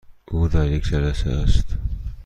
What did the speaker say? او در یک جلسه است.